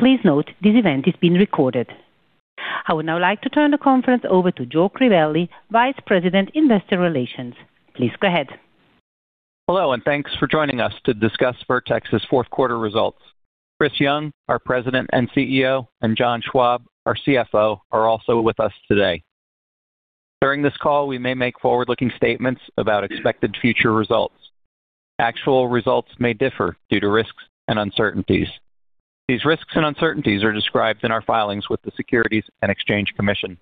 Please note this event is being recorded. I would now like to turn the conference over to Joe Crivelli, Vice President Investor Relations. Please go ahead. Hello and thanks for joining us to discuss Vertex's fourth quarter results. Chris Young, our President and CEO, and John Schwab, our CFO, are also with us today. During this call we may make forward-looking statements about expected future results. Actual results may differ due to risks and uncertainties. These risks and uncertainties are described in our filings with the Securities and Exchange Commission.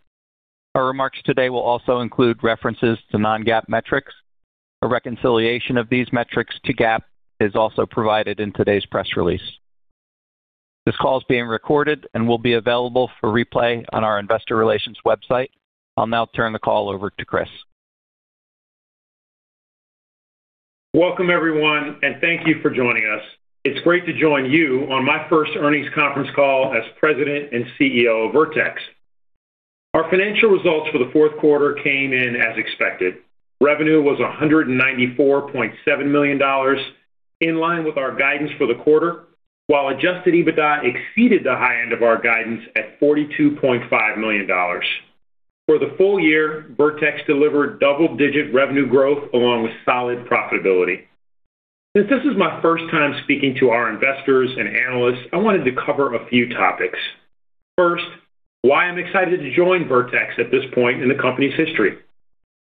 Our remarks today will also include references to non-GAAP metrics. A reconciliation of these metrics to GAAP is also provided in today's press release. This call is being recorded and will be available for replay on our Investor Relations website. I'll now turn the call over to Chris. Welcome everyone and thank you for joining us. It's great to join you on my first earnings conference call as President and CEO of Vertex. Our financial results for the fourth quarter came in as expected. Revenue was $194.7 million in line with our guidance for the quarter while Adjusted EBITDA exceeded the high end of our guidance at $42.5 million. For the full year Vertex delivered double-digit revenue growth along with solid profitability. Since this is my first time speaking to our investors and analysts I wanted to cover a few topics. First why I'm excited to join Vertex at this point in the company's history.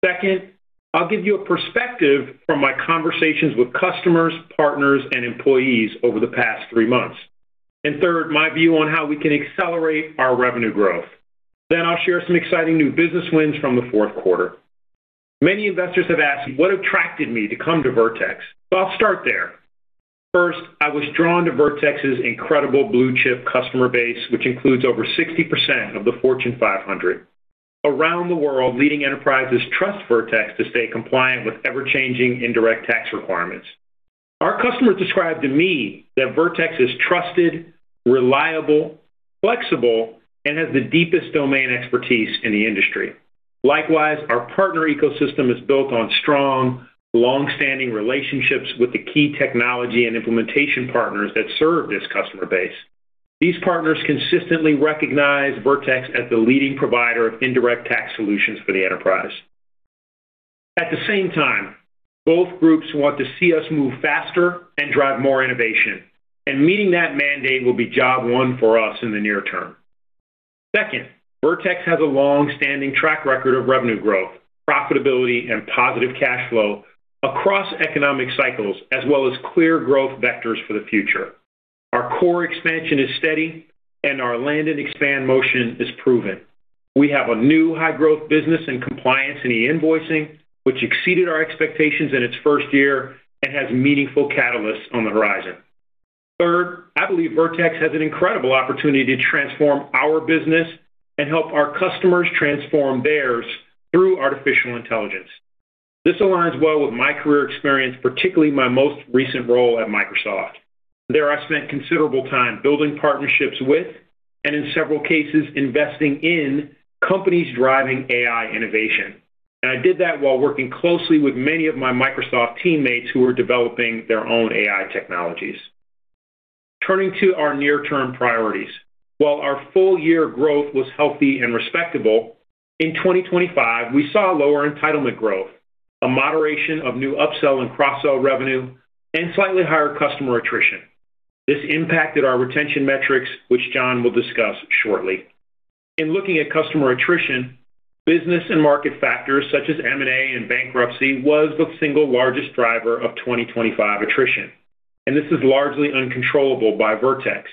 Second I'll give you a perspective from my conversations with customers partners and employees over the past three months. And third my view on how we can accelerate our revenue growth. Then I'll share some exciting new business wins from the fourth quarter. Many investors have asked what attracted me to come to Vertex, so I'll start there. First, I was drawn to Vertex's incredible blue-chip customer base, which includes over 60% of the Fortune 500. Around the world, leading enterprises trust Vertex to stay compliant with ever-changing indirect tax requirements. Our customers describe to me that Vertex is trusted, reliable, flexible, and has the deepest domain expertise in the industry. Likewise, our partner ecosystem is built on strong, long-standing relationships with the key technology and implementation partners that serve this customer base. These partners consistently recognize Vertex as the leading provider of indirect tax solutions for the enterprise. At the same time, both groups want to see us move faster and drive more innovation. And meeting that mandate will be job one for us in the near term. Second, Vertex has a long-standing track record of revenue growth, profitability, and positive cash flow across economic cycles, as well as clear growth vectors for the future. Our core expansion is steady, and our land-and-expand motion is proven. We have a new high-growth business in compliance and e-invoicing, which exceeded our expectations in its first year and has meaningful catalysts on the horizon. Third, I believe Vertex has an incredible opportunity to transform our business and help our customers transform theirs through artificial intelligence. This aligns well with my career experience, particularly my most recent role at Microsoft. There, I spent considerable time building partnerships with and, in several cases, investing in companies driving AI innovation. And I did that while working closely with many of my Microsoft teammates who were developing their own AI technologies. Turning to our near-term priorities. While our full-year growth was healthy and respectable in 2025, we saw lower entitlement growth, a moderation of new upsell and cross-sell revenue, and slightly higher customer attrition. This impacted our retention metrics, which John will discuss shortly. In looking at customer attrition, business and market factors such as M&A and bankruptcy was the single largest driver of 2025 attrition. This is largely uncontrollable by Vertex.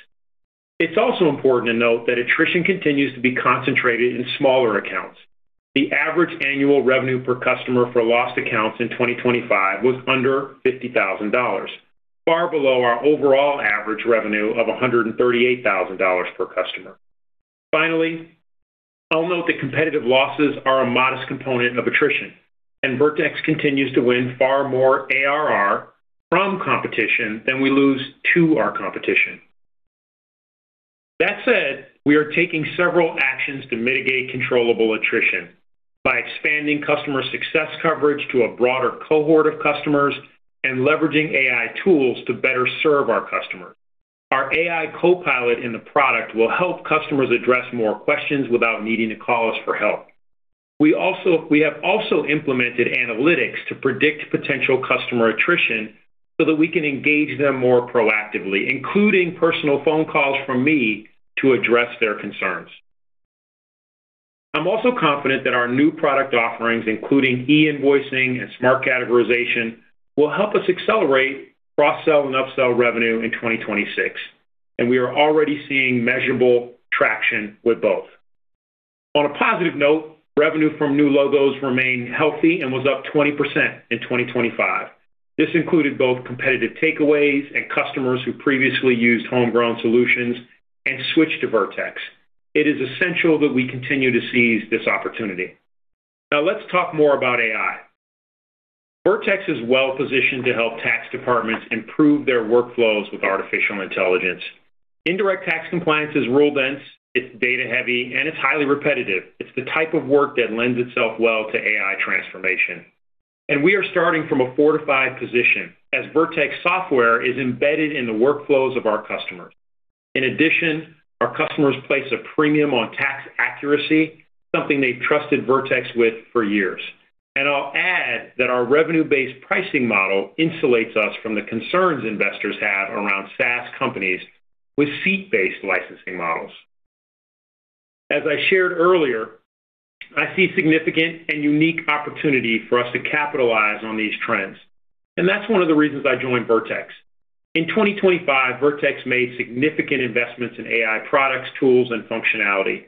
It's also important to note that attrition continues to be concentrated in smaller accounts. The average annual revenue per customer for lost accounts in 2025 was under $50,000, far below our overall average revenue of $138,000 per customer. Finally, I'll note that competitive losses are a modest component of attrition. Vertex continues to win far more ARR from competition than we lose to our competition. That said, we are taking several actions to mitigate controllable attrition by expanding customer success coverage to a broader cohort of customers and leveraging AI tools to better serve our customers. Our AI Copilot in the product will help customers address more questions without needing to call us for help. We also have implemented analytics to predict potential customer attrition so that we can engage them more proactively, including personal phone calls from me to address their concerns. I'm also confident that our new product offerings, including e-invoicing and smart categorization, will help us accelerate cross-sell and upsell revenue in 2026. We are already seeing measurable traction with both. On a positive note, revenue from new logos remained healthy and was up 20% in 2025. This included both competitive takeaways and customers who previously used homegrown solutions and switched to Vertex. It is essential that we continue to seize this opportunity. Now let's talk more about AI. Vertex is well-positioned to help tax departments improve their workflows with artificial intelligence. Indirect tax compliance is rule-dense, it's data-heavy, and it's highly repetitive. It's the type of work that lends itself well to AI transformation. And we are starting from a fortified position as Vertex software is embedded in the workflows of our customers. In addition, our customers place a premium on tax accuracy, something they've trusted Vertex with for years. And I'll add that our revenue-based pricing model insulates us from the concerns investors have around SaaS companies with seat-based licensing models. As I shared earlier, I see significant and unique opportunity for us to capitalize on these trends. And that's one of the reasons I joined Vertex. In 2025 Vertex made significant investments in AI products, tools, and functionality.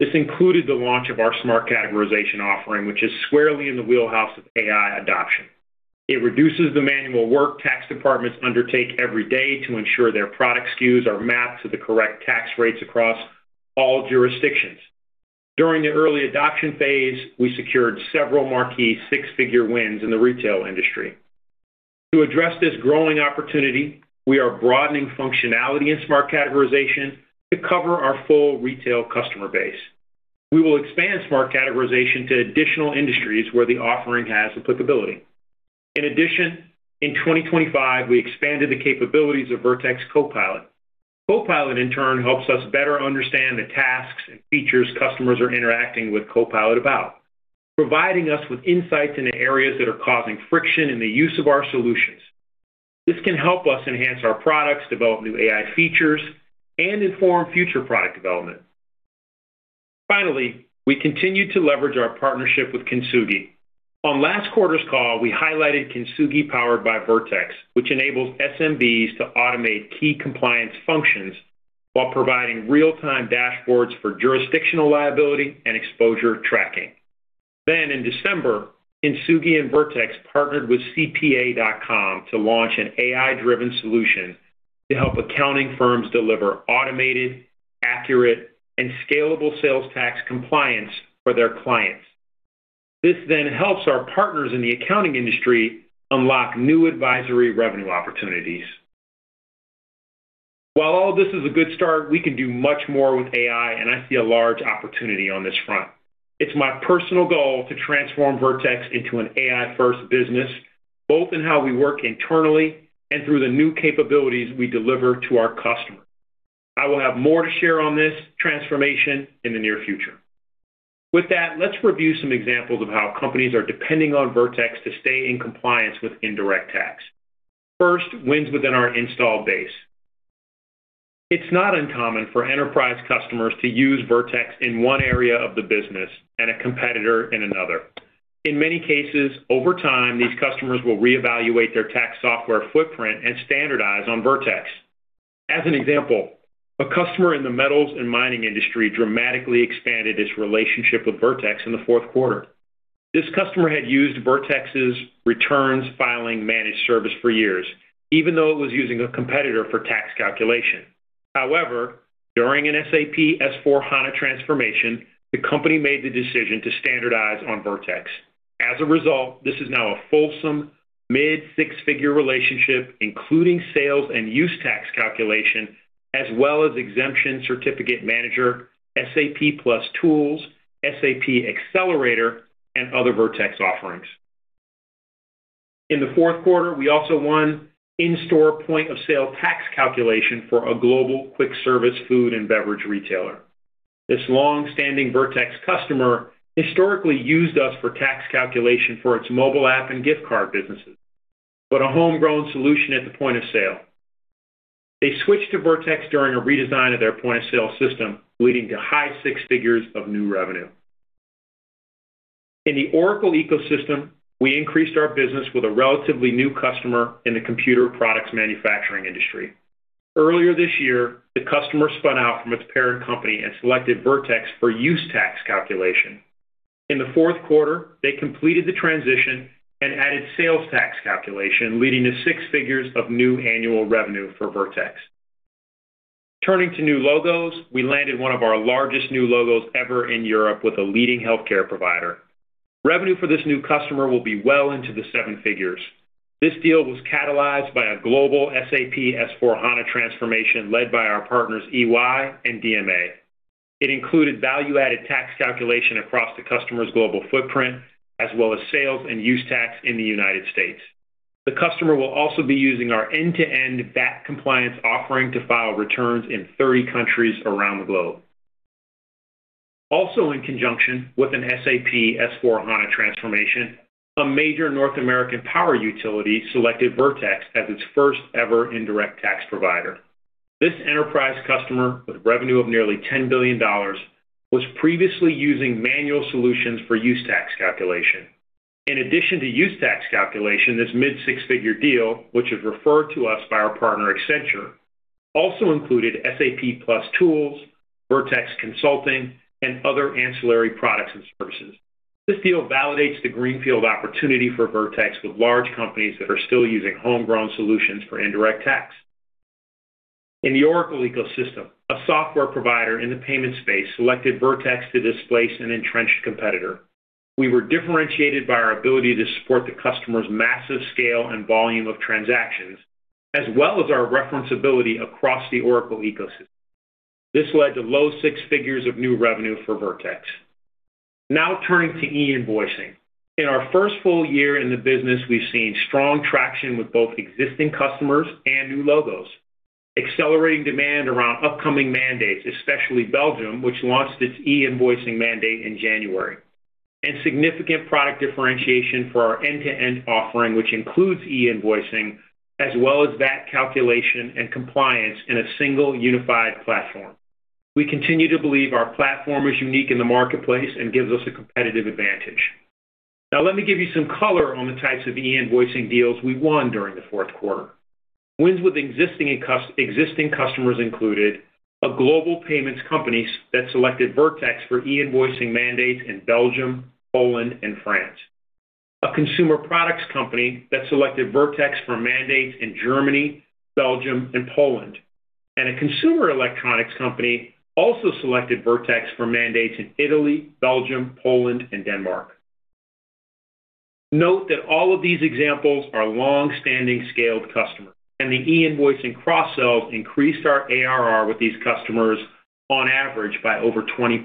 This included the launch of our Smart Categorization offering which is squarely in the wheelhouse of AI adoption. It reduces the manual work tax departments undertake every day to ensure their product SKUs are mapped to the correct tax rates across all jurisdictions. During the early adoption phase we secured several marquee six-figure wins in the retail industry. To address this growing opportunity we are broadening functionality in Smart Categorization to cover our full retail customer base. We will expand Smart Categorization to additional industries where the offering has applicability. In addition in 2025 we expanded the capabilities of Vertex Copilot. Copilot in turn helps us better understand the tasks and features customers are interacting with Copilot about providing us with insights into areas that are causing friction in the use of our solutions. This can help us enhance our products, develop new AI features, and inform future product development. Finally, we continue to leverage our partnership with Kintsugi. On last quarter's call, we highlighted Kintsugi powered by Vertex, which enables SMBs to automate key compliance functions while providing real-time dashboards for jurisdictional liability and exposure tracking. Then, in December, Kintsugi and Vertex partnered with CPA.com to launch an AI-driven solution to help accounting firms deliver automated, accurate, and scalable sales tax compliance for their clients. This then helps our partners in the accounting industry unlock new advisory revenue opportunities. While all this is a good start, we can do much more with AI, and I see a large opportunity on this front. It's my personal goal to transform Vertex into an AI-first business both in how we work internally and through the new capabilities we deliver to our customers. I will have more to share on this transformation in the near future. With that, let's review some examples of how companies are depending on Vertex to stay in compliance with indirect tax. First, wins within our installed base. It's not uncommon for enterprise customers to use Vertex in one area of the business and a competitor in another. In many cases over time these customers will reevaluate their tax software footprint and standardize on Vertex. As an example, a customer in the metals and mining industry dramatically expanded its relationship with Vertex in the fourth quarter. This customer had used Vertex's returns filing managed service for years even though it was using a competitor for tax calculation. However, during an SAP S/4HANA transformation, the company made the decision to standardize on Vertex. As a result, this is now a fulsome mid-six-figure relationship including sales and use tax calculation as well as Exemption Certificate Manager, SAP PLUS Tools, SAP Accelerator, and other Vertex offerings. In the fourth quarter, we also won in-store point-of-sale tax calculation for a global quick-service food and beverage retailer. This long-standing Vertex customer historically used us for tax calculation for its mobile app and gift card businesses but a homegrown solution at the point of sale. They switched to Vertex during a redesign of their point-of-sale system leading to high six figures of new revenue. In the Oracle ecosystem, we increased our business with a relatively new customer in the computer products manufacturing industry. Earlier this year, the customer spun out from its parent company and selected Vertex for use tax calculation. In the fourth quarter they completed the transition and added sales tax calculation leading to six figures of new annual revenue for Vertex. Turning to new logos we landed one of our largest new logos ever in Europe with a leading healthcare provider. Revenue for this new customer will be well into the seven figures. This deal was catalyzed by a global SAP S/4HANA transformation led by our partners EY and DMA. It included value-added tax calculation across the customer's global footprint as well as sales and use tax in the United States. The customer will also be using our end-to-end VAT compliance offering to file returns in 30 countries around the globe. Also in conjunction with an SAP S/4HANA transformation a major North American power utility selected Vertex as its first-ever indirect tax provider. This enterprise customer with revenue of nearly $10 billion was previously using manual solutions for use tax calculation. In addition to use tax calculation, this mid-six-figure deal, which is referred to us by our partner Accenture, also included SAP PLUS Tools, Vertex Consulting, and other ancillary products and services. This deal validates the greenfield opportunity for Vertex with large companies that are still using homegrown solutions for indirect tax. In the Oracle ecosystem, a software provider in the payment space selected Vertex to displace an entrenched competitor. We were differentiated by our ability to support the customer's massive scale and volume of transactions as well as our referenceability across the Oracle ecosystem. This led to low six figures of new revenue for Vertex. Now turning to e-invoicing. In our first full year in the business, we've seen strong traction with both existing customers and new logos accelerating demand around upcoming mandates, especially Belgium, which launched its e-invoicing mandate in January, and significant product differentiation for our end-to-end offering, which includes e-invoicing as well as VAT calculation and compliance in a single unified platform. We continue to believe our platform is unique in the marketplace and gives us a competitive advantage. Now let me give you some color on the types of e-invoicing deals we won during the fourth quarter. Wins with existing and new customers included a global payments company that selected Vertex for e-invoicing mandates in Belgium, Poland, and France. A consumer products company that selected Vertex for mandates in Germany, Belgium, and Poland. A consumer electronics company also selected Vertex for mandates in Italy, Belgium, Poland, and Denmark. Note that all of these examples are long-standing scaled customers. The e-invoicing cross-sells increased our ARR with these customers on average by over 20%.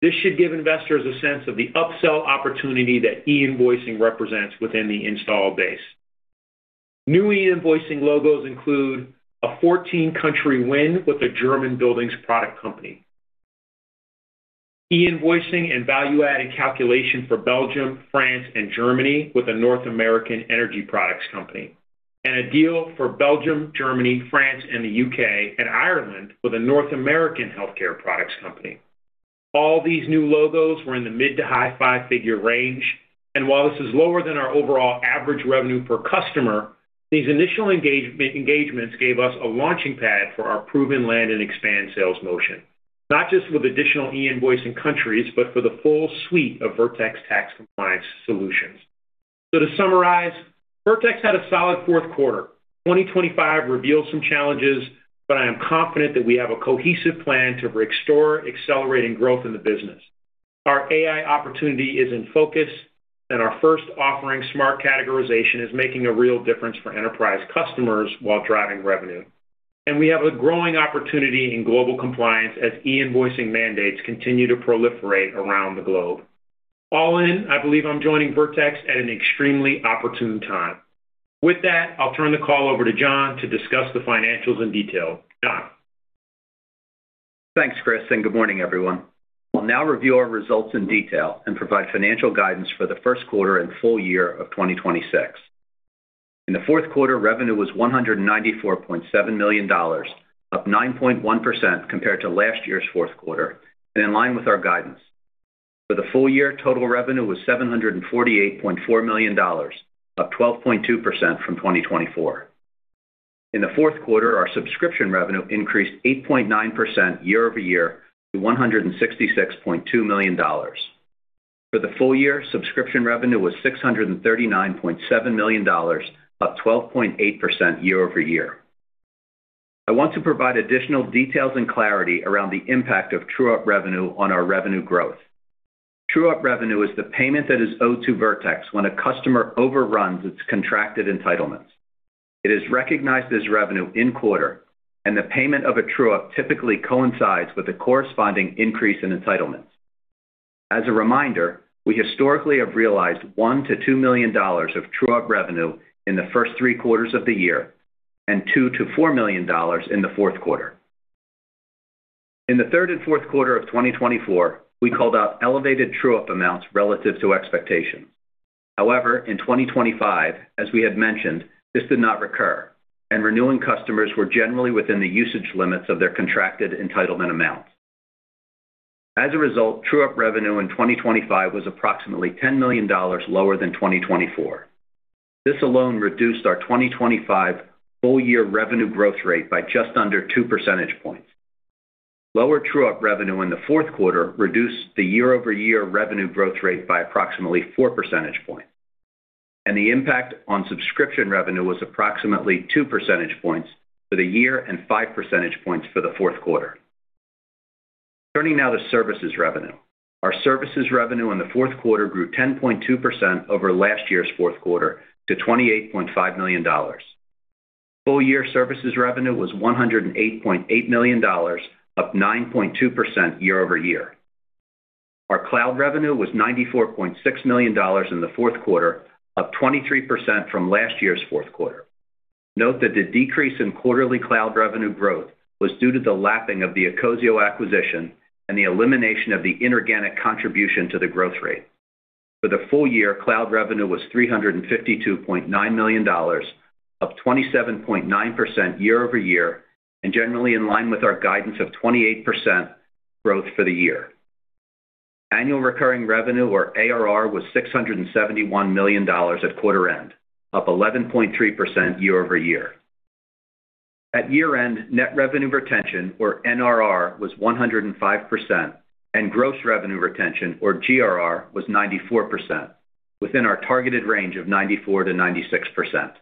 This should give investors a sense of the upsell opportunity that e-invoicing represents within the installed base. New e-invoicing logos include a 14-country win with a German building products company. E-invoicing and value-added calculation for Belgium, France, and Germany with a North American energy products company. And a deal for Belgium, Germany, France, and the U.K. and Ireland with a North American healthcare products company. All these new logos were in the mid- to high five-figure range. And while this is lower than our overall average revenue per customer, these initial engagements gave us a launching pad for our proven land and expand sales motion not just with additional e-invoicing countries but for the full suite of Vertex tax compliance solutions. So to summarize, Vertex had a solid fourth quarter. 2025 revealed some challenges, but I am confident that we have a cohesive plan to restore accelerating growth in the business. Our AI opportunity is in focus, and our first offering, smart categorization, is making a real difference for enterprise customers while driving revenue. And we have a growing opportunity in global compliance as e-invoicing mandates continue to proliferate around the globe. All in, I believe I'm joining Vertex at an extremely opportune time. With that, I'll turn the call over to John to discuss the financials in detail. John. Thanks Chris and good morning everyone. I'll now review our results in detail and provide financial guidance for the first quarter and full year of 2026. In the fourth quarter revenue was $194.7 million up 9.1% compared to last year's fourth quarter and in line with our guidance. For the full year total revenue was $748.4 million up 12.2% from 2024. In the fourth quarter our subscription revenue increased 8.9% year-over-year to $166.2 million. For the full year subscription revenue was $639.7 million up 12.8% year-over-year. I want to provide additional details and clarity around the impact of true-up revenue on our revenue growth. True-up revenue is the payment that is owed to Vertex when a customer overruns its contracted entitlements. It is recognized as revenue in quarter and the payment of a true-up typically coincides with a corresponding increase in entitlements. As a reminder we historically have realized $1 million-$2 million of true-up revenue in the first three quarters of the year and $2 million-$4 million in the fourth quarter. In the third and fourth quarter of 2024 we called out elevated true-up amounts relative to expectations. However in 2025 as we had mentioned this did not recur and renewing customers were generally within the usage limits of their contracted entitlement amounts. As a result true-up revenue in 2025 was approximately $10 million lower than 2024. This alone reduced our 2025 full year revenue growth rate by just under 2 percentage points. Lower true-up revenue in the fourth quarter reduced the year-over-year revenue growth rate by approximately 4 percentage points. And the impact on subscription revenue was approximately 2 percentage points for the year and 5 percentage points for the fourth quarter. Turning now to services revenue. Our services revenue in the fourth quarter grew 10.2% over last year's fourth quarter to $28.5 million. Full-year services revenue was $108.8 million up 9.2% year-over-year. Our cloud revenue was $94.6 million in the fourth quarter up 23% from last year's fourth quarter. Note that the decrease in quarterly cloud revenue growth was due to the lapping of the Ecosio acquisition and the elimination of the inorganic contribution to the growth rate. For the full year cloud revenue was $352.9 million up 27.9% year-over-year and generally in line with our guidance of 28% growth for the year. Annual recurring revenue or ARR was $671 million at quarter end up 11.3% year-over-year. At year end net revenue retention or NRR was 105% and gross revenue retention or GRR was 94% within our targeted range of 94%-96%.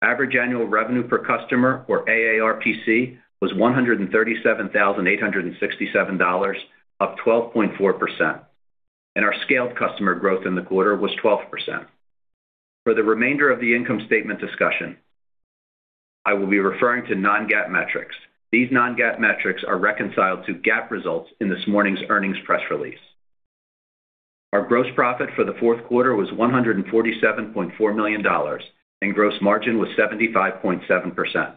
Average annual revenue per customer or AARPC was $137,867 up 12.4%. Our scaled customer growth in the quarter was 12%. For the remainder of the income statement discussion I will be referring to non-GAAP metrics. These non-GAAP metrics are reconciled to GAAP results in this morning's earnings press release. Our gross profit for the fourth quarter was $147.4 million and gross margin was 75.7%.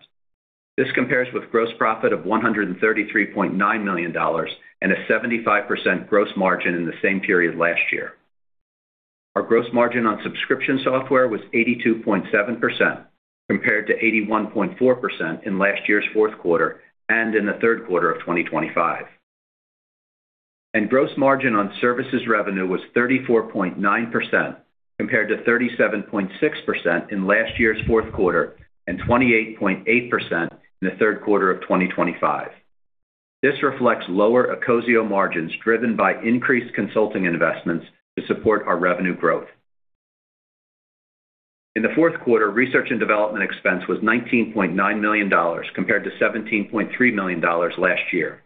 This compares with gross profit of $133.9 million and a 75% gross margin in the same period last year. Our gross margin on subscription software was 82.7% compared to 81.4% in last year's fourth quarter and in the third quarter of 2025. Gross margin on services revenue was 34.9% compared to 37.6% in last year's fourth quarter and 28.8% in the third quarter of 2025. This reflects lower Ecosio margins driven by increased consulting investments to support our revenue growth. In the fourth quarter research and development expense was $19.9 million compared to $17.3 million last year.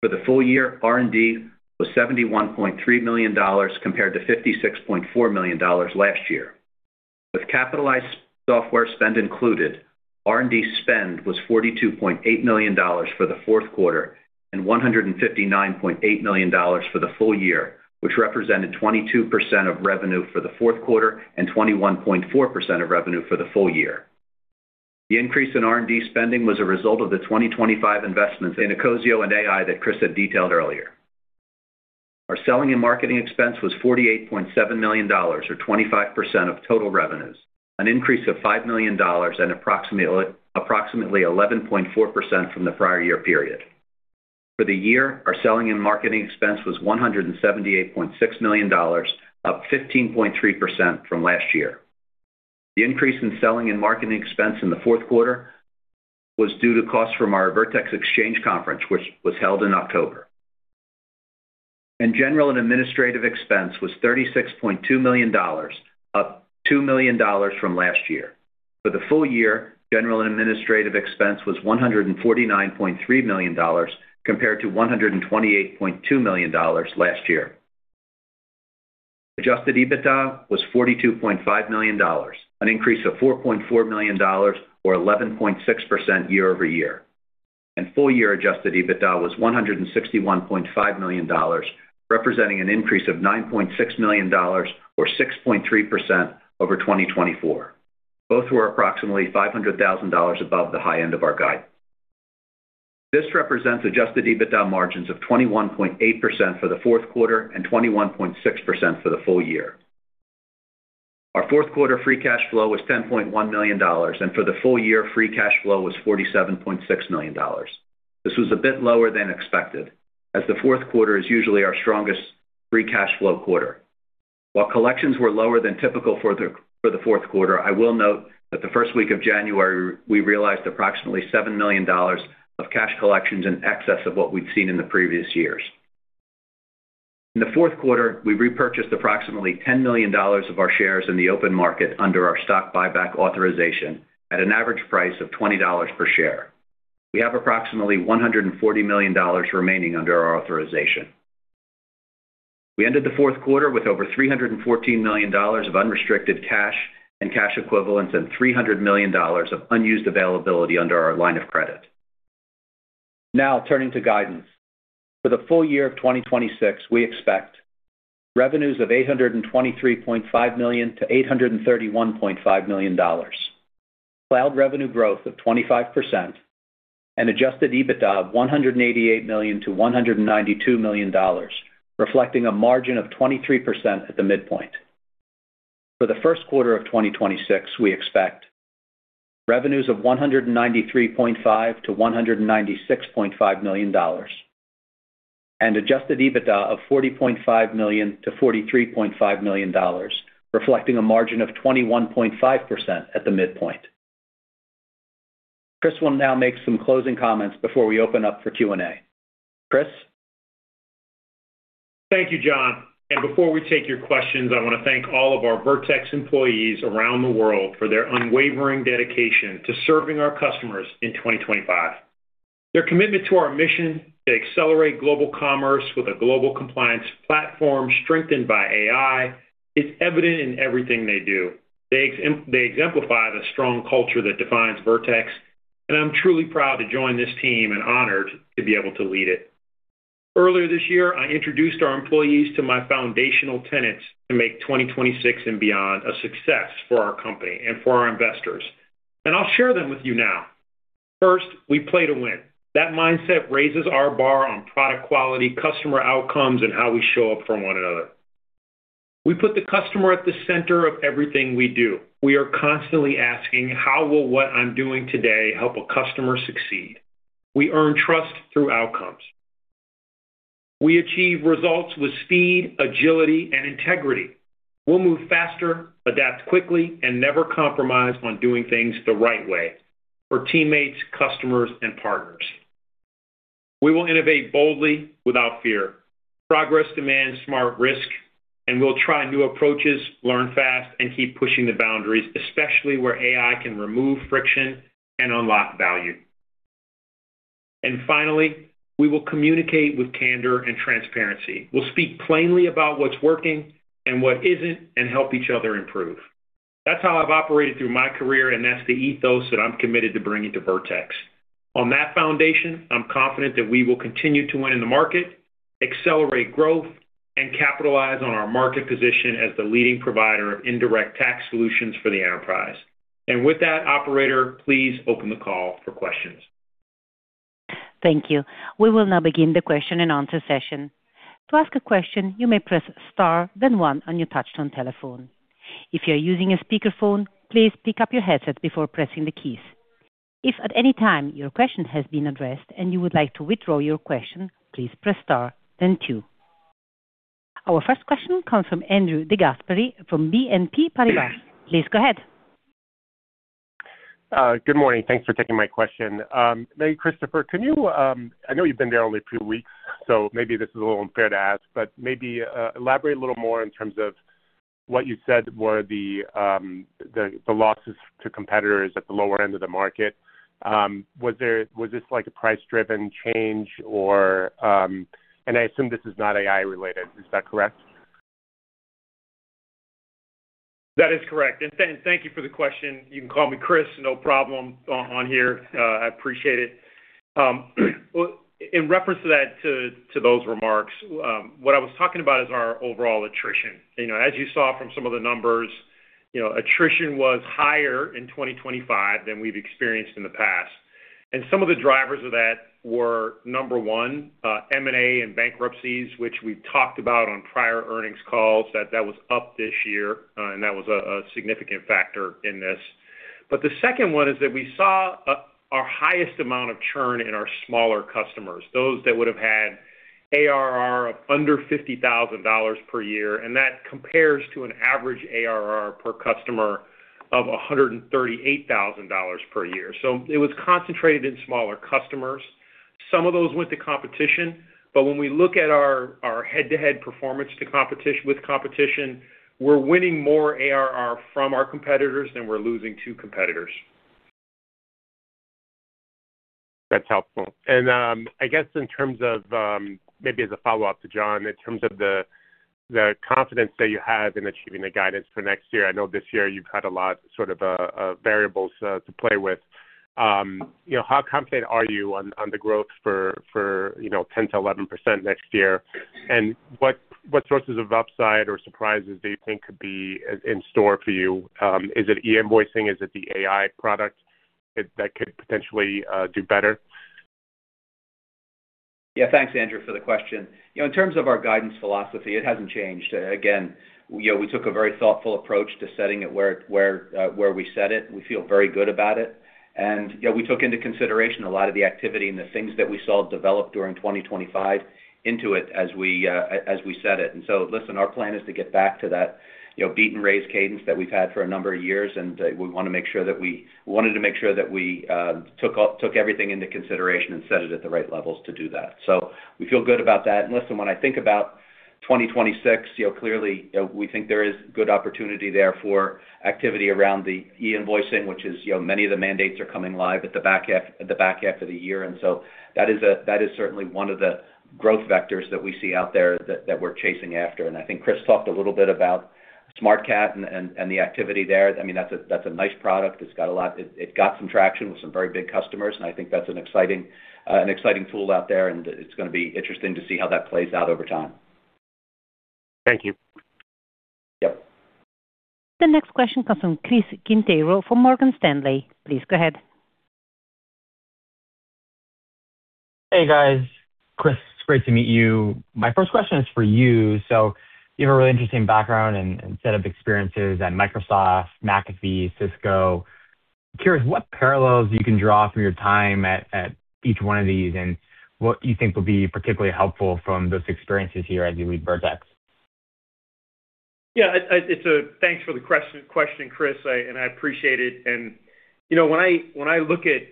For the full year R&D was $71.3 million compared to $56.4 million last year. With capitalized software spend included R&D spend was $42.8 million for the fourth quarter and $159.8 million for the full year which represented 22% of revenue for the fourth quarter and 21.4% of revenue for the full year. The increase in R&D spending was a result of the 2025 investments in Ecosio and AI that Chris had detailed earlier. Our selling and marketing expense was $48.7 million or 25% of total revenues an increase of $5 million and approximately 11.4% from the prior year period. For the year our selling and marketing expense was $178.6 million up 15.3% from last year. The increase in selling and marketing expense in the fourth quarter was due to costs from our Vertex Exchange conference which was held in October. General and administrative expense was $36.2 million up $2 million from last year. For the full year general and administrative expense was $149.3 million compared to $128.2 million last year. Adjusted EBITDA was $42.5 million an increase of $4.4 million or 11.6% year-over-year. Full year Adjusted EBITDA was $161.5 million, representing an increase of $9.6 million or 6.3% over 2024. Both were approximately $500,000 above the high end of our guide. This represents Adjusted EBITDA margins of 21.8% for the fourth quarter and 21.6% for the full year. Our fourth quarter Free Cash Flow was $10.1 million and for the full year Free Cash Flow was $47.6 million. This was a bit lower than expected as the fourth quarter is usually our strongest Free Cash Flow quarter. While collections were lower than typical for the fourth quarter, I will note that the first week of January we realized approximately $7 million of cash collections in excess of what we'd seen in the previous years. In the fourth quarter we repurchased approximately $10 million of our shares in the open market under our stock buyback authorization at an average price of $20 per share. We have approximately $140 million remaining under our authorization. We ended the fourth quarter with over $314 million of unrestricted cash and cash equivalents and $300 million of unused availability under our line of credit. Now turning to guidance. For the full year of 2026 we expect revenues of $823.5 million-$831.5 million. Cloud revenue growth of 25% and adjusted EBITDA of $188 million-$192 million reflecting a margin of 23% at the midpoint. For the first quarter of 2026 we expect revenues of $193.5 million-$196.5 million. Adjusted EBITDA of $40.5 million-$43.5 million reflecting a margin of 21.5% at the midpoint. Chris will now make some closing comments before we open up for Q&A. Chris. Thank you, John. Before we take your questions, I want to thank all of our Vertex employees around the world for their unwavering dedication to serving our customers in 2025. Their commitment to our mission to accelerate global commerce with a global compliance platform strengthened by AI is evident in everything they do. They exemplify the strong culture that defines Vertex, and I'm truly proud to join this team and honored to be able to lead it. Earlier this year, I introduced our employees to my foundational tenets to make 2026 and beyond a success for our company and for our investors. I'll share them with you now. First, we play to win. That mindset raises our bar on product quality, customer outcomes, and how we show up for one another. We put the customer at the center of everything we do. We are constantly asking, how will what I'm doing today help a customer succeed. We earn trust through outcomes. We achieve results with speed, agility, and integrity. We'll move faster, adapt quickly, and never compromise on doing things the right way for teammates, customers, and partners. We will innovate boldly without fear. Progress demands smart risk, and we'll try new approaches, learn fast, and keep pushing the boundaries, especially where AI can remove friction and unlock value. And finally, we will communicate with candor and transparency. We'll speak plainly about what's working and what isn't, and help each other improve. That's how I've operated through my career, and that's the ethos that I'm committed to bringing to Vertex. On that foundation, I'm confident that we will continue to win in the market, accelerate growth, and capitalize on our market position as the leading provider of indirect tax solutions for the enterprise. With that, operator, please open the call for questions. Thank you. We will now begin the question and answer session. To ask a question you may press star then one on your touch-tone telephone. If you're using a speakerphone please pick up your headset before pressing the keys. If at any time your question has been addressed and you would like to withdraw your question please press star then two. Our first question comes from Andrew DeGasperi from BNP Paribas. Please go ahead. Good morning. Thanks for taking my question. Maybe, Christopher, can you? I know you've been there only a few weeks, so maybe this is a little unfair to ask, but maybe elaborate a little more in terms of what you said were the losses to competitors at the lower end of the market. Was there was this like a price-driven change or and I assume this is not AI related. Is that correct? That is correct. And thank you for the question. You can call me Chris no problem on here. I appreciate it. In reference to that to those remarks what I was talking about is our overall attrition. You know as you saw from some of the numbers you know attrition was higher in 2025 than we've experienced in the past. And some of the drivers of that were number one M&A and bankruptcies which we've talked about on prior earnings calls that was up this year and that was a significant factor in this. But the second one is that we saw our highest amount of churn in our smaller customers those that would have had ARR of under $50,000 per year and that compares to an average ARR per customer of $138,000 per year. So it was concentrated in smaller customers. Some of those went to competition but when we look at our head-to-head performance to competition with competition we're winning more ARR from our competitors than we're losing to competitors. That's helpful. And I guess in terms of maybe as a follow-up to John in terms of the confidence that you have in achieving the guidance for next year. I know this year you've had a lot sort of variables to play with. You know how confident are you on the growth for you know 10%-11% next year? And what sources of upside or surprises do you think could be in store for you? Is it e-invoicing? Is it the AI product that could potentially do better? Yeah, thanks Andrew for the question. You know in terms of our guidance philosophy it hasn't changed. Again, you know we took a very thoughtful approach to setting it where we set it. We feel very good about it. And you know we took into consideration a lot of the activity and the things that we saw develop during 2025 into it as we set it. And so listen our plan is to get back to that you know beat-and-raise cadence that we've had for a number of years and we want to make sure that we took everything into consideration and set it at the right levels to do that. So we feel good about that. Listen, when I think about 2026, you know, clearly, you know, we think there is good opportunity there for activity around the e-invoicing, which is, you know, many of the mandates are coming live at the back half of the year. And so that is certainly one of the growth vectors that we see out there that we're chasing after. And I think Chris talked a little bit about SmartCat and the activity there. I mean, that's a nice product. It's got a lot. It got some traction with some very big customers, and I think that's an exciting tool out there, and it's gonna be interesting to see how that plays out over time. Thank you. Yep. The next question comes from Chris Quintero from Morgan Stanley. Please go ahead. Hey guys. Chris, it's great to meet you. My first question is for you. So you have a really interesting background and set of experiences at Microsoft, McAfee, Cisco. Curious what parallels you can draw from your time at each one of these and what you think will be particularly helpful from those experiences here as you lead Vertex. Yeah, thanks for the question, Chris. I appreciate it. And you know when I look at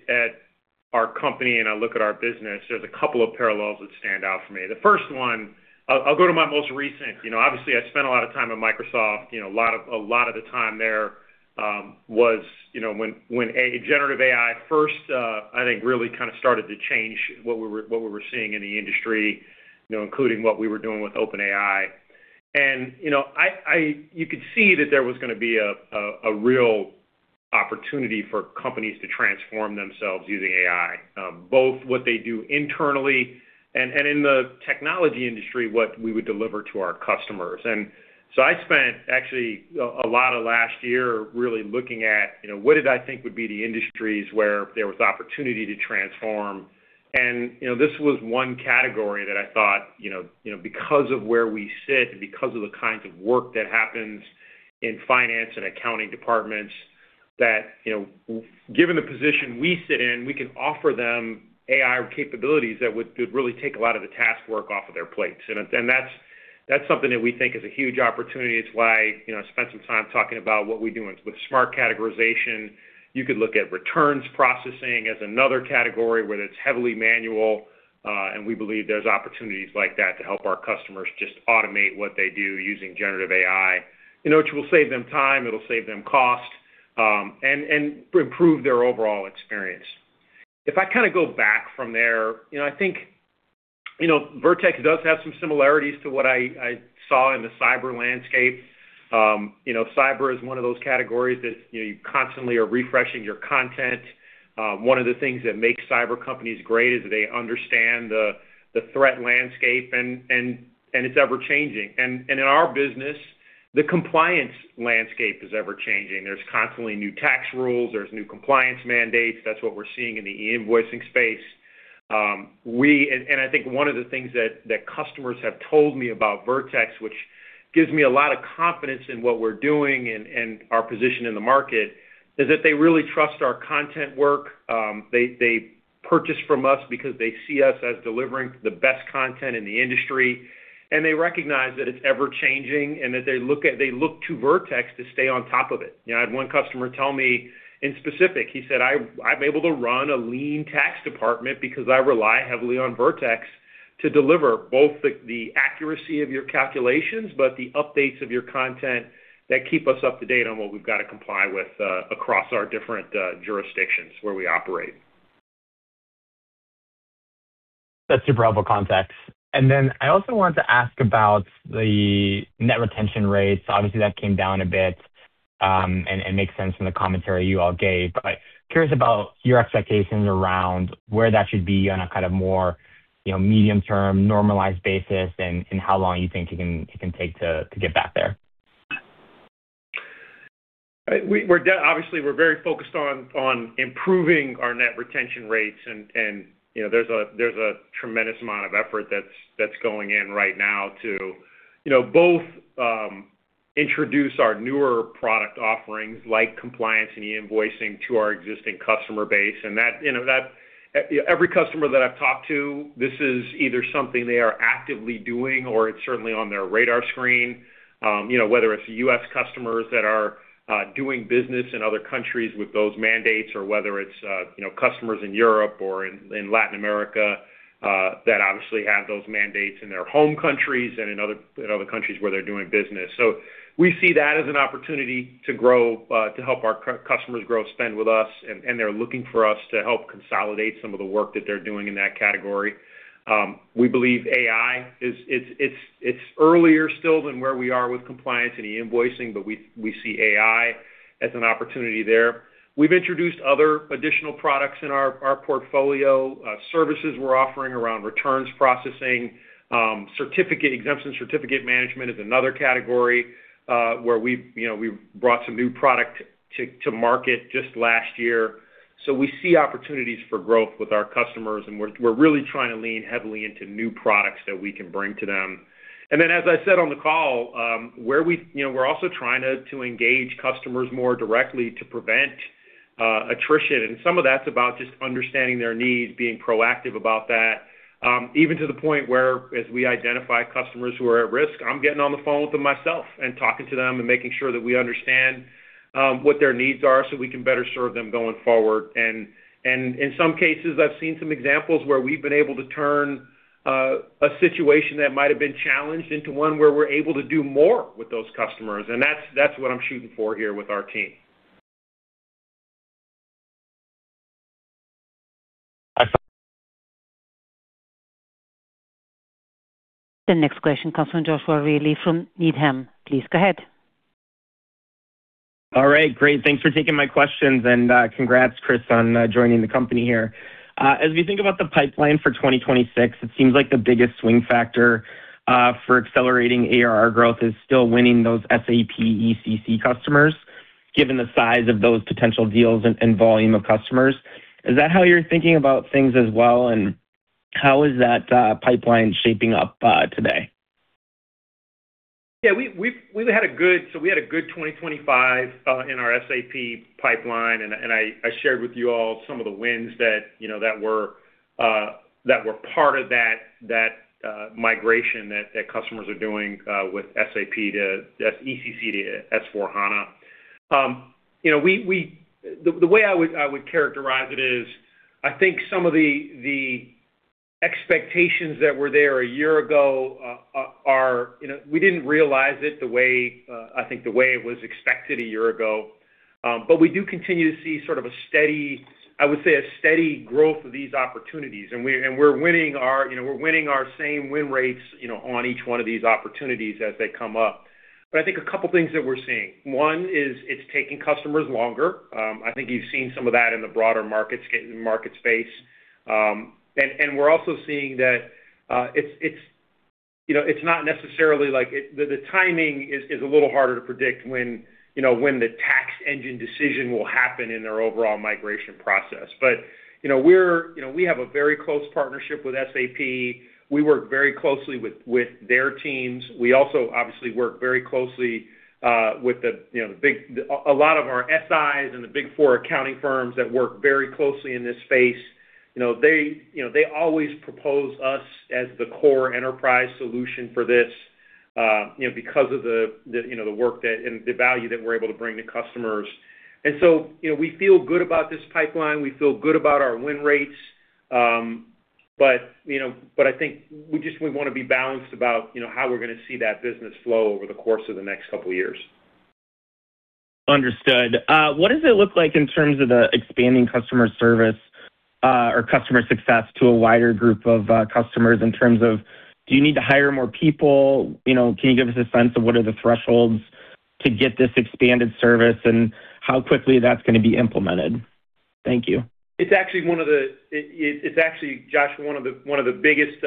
our company and I look at our business, there's a couple of parallels that stand out for me. The first one I'll go to my most recent. You know, obviously I spent a lot of time at Microsoft. You know, a lot of the time there was you know when a generative AI first I think really kinda started to change what we were seeing in the industry you know including what we were doing with OpenAI. And you know you could see that there was gonna be a real opportunity for companies to transform themselves using AI both what they do internally and in the technology industry what we would deliver to our customers. And so I spent actually a lot of last year really looking at you know what did I think would be the industries where there was opportunity to transform. And you know this was one category that I thought you know because of where we sit and because of the kinds of work that happens in finance and accounting departments that you know given the position we sit in we can offer them AI capabilities that would really take a lot of the task work off of their plates. And that's something that we think is a huge opportunity. It's why you know I spent some time talking about what we're doing with Smart Categorization. You could look at returns processing as another category where it's heavily manual and we believe there's opportunities like that to help our customers just automate what they do using generative AI. You know it will save them time it'll save them cost and improve their overall experience. If I kinda go back from there you know I think you know Vertex does have some similarities to what I saw in the cyber landscape. You know cyber is one of those categories that you know you constantly are refreshing your content. One of the things that makes cyber companies great is that they understand the threat landscape and it's ever-changing. And in our business the compliance landscape is ever-changing. There's constantly new tax rules there's new compliance mandates. That's what we're seeing in the e-invoicing space. We and I think one of the things that customers have told me about Vertex which gives me a lot of confidence in what we're doing and our position in the market is that they really trust our content work. They purchase from us because they see us as delivering the best content in the industry. And they recognize that it's ever-changing and that they look to Vertex to stay on top of it. You know I had one customer tell me specifically he said I'm able to run a lean tax department because I rely heavily on Vertex to deliver both the accuracy of your calculations but the updates of your content that keep us up to date on what we've gotta comply with across our different jurisdictions where we operate. That's super helpful context. And then I also wanted to ask about the net retention rates. Obviously that came down a bit and makes sense from the commentary you all gave. But curious about your expectations around where that should be on a kinda more you know medium-term normalized basis and how long you think it can take to get back there. We're obviously very focused on improving our net retention rates and you know there's a tremendous amount of effort that's going in right now to you know both introduce our newer product offerings like compliance and e-invoicing to our existing customer base. And that you know that every customer that I've talked to this is either something they are actively doing or it's certainly on their radar screen. You know whether it's U.S. customers that are doing business in other countries with those mandates or whether it's you know customers in Europe or in Latin America that obviously have those mandates in their home countries and in other countries where they're doing business. So we see that as an opportunity to grow to help our customers grow spend with us and and they're looking for us to help consolidate some of the work that they're doing in that category. We believe AI is it's it's it's earlier still than where we are with compliance and e-invoicing but we we see AI as an opportunity there. We've introduced other additional products in our our portfolio. Services we're offering around returns processing certificate Exemption Certificate Management is another category where we've you know we've brought some new product to to market just last year. So we see opportunities for growth with our customers and we're we're really trying to lean heavily into new products that we can bring to them. And then as I said on the call where we you know we're also trying to to engage customers more directly to prevent attrition. Some of that's about just understanding their needs, being proactive about that. Even to the point where as we identify customers who are at risk, I'm getting on the phone with them myself and talking to them and making sure that we understand what their needs are so we can better serve them going forward. And in some cases, I've seen some examples where we've been able to turn a situation that might have been challenged into one where we're able to do more with those customers. And that's what I'm shooting for here with our team. Excellent. The next question comes from Joshua Reilly from Needham. Please go ahead. All right. Great. Thanks for taking my questions and congrats Chris on joining the company here. As we think about the pipeline for 2026, it seems like the biggest swing factor for accelerating ARR growth is still winning those SAP ECC customers given the size of those potential deals and volume of customers. Is that how you're thinking about things as well, and how is that pipeline shaping up today? Yeah, we had a good 2025 in our SAP pipeline, and I shared with you all some of the wins that, you know, were part of that migration that customers are doing with SAP to SAP ECC to SAP S/4HANA. You know, the way I would characterize it is I think some of the expectations that were there a year ago, you know, we didn't realize it the way I think the way it was expected a year ago. But we do continue to see sort of a steady—I would say a steady—growth of these opportunities. And we're winning our, you know, same win rates, you know, on each one of these opportunities as they come up. But I think a couple things that we're seeing. One is it's taking customers longer. I think you've seen some of that in the broader markets SaaS market space. And we're also seeing that it's, you know, it's not necessarily like the timing is a little harder to predict when, you know, when the tax engine decision will happen in their overall migration process. But, you know, we're, you know, we have a very close partnership with SAP. We work very closely with their teams. We also obviously work very closely with, you know, the big, a lot of our SIs and the Big Four accounting firms that work very closely in this space. You know, they always propose us as the core enterprise solution for this, you know, because of the, you know, the work that and the value that we're able to bring to customers. And so, you know, we feel good about this pipeline. We feel good about our win rates. But, you know, I think we just want to be balanced about, you know, how we're gonna see that business flow over the course of the next couple years. Understood. What does it look like in terms of the expanding customer service or customer success to a wider group of customers in terms of do you need to hire more people? You know, can you give us a sense of what are the thresholds to get this expanded service and how quickly that's gonna be implemented? Thank you. It's actually, Josh, one of the biggest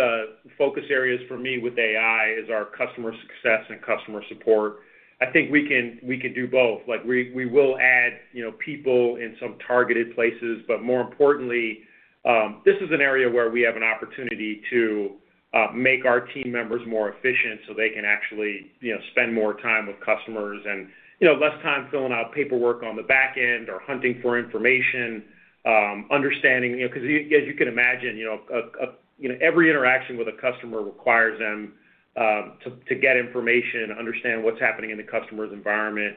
focus areas for me with AI is our customer success and customer support. I think we can do both. Like we will add you know people in some targeted places but more importantly this is an area where we have an opportunity to make our team members more efficient so they can actually you know spend more time with customers and you know less time filling out paperwork on the back end or hunting for information, understanding you know because as you can imagine you know a you know every interaction with a customer requires them to get information and understand what's happening in the customer's environment.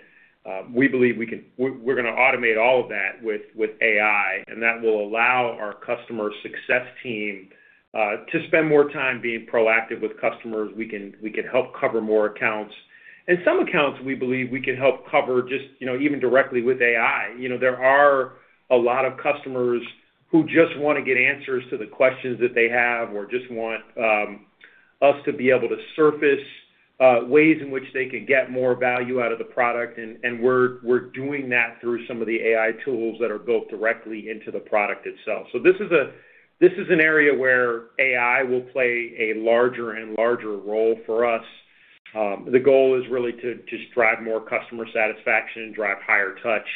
We believe we can. We're gonna automate all of that with AI, and that will allow our customer success team to spend more time being proactive with customers. We can help cover more accounts. And some accounts we believe we can help cover just, you know, even directly with AI. You know, there are a lot of customers who just want to get answers to the questions that they have or just want us to be able to surface ways in which they can get more value out of the product. And we're doing that through some of the AI tools that are built directly into the product itself. So this is an area where AI will play a larger and larger role for us. The goal is really to just drive more customer satisfaction and drive higher touch.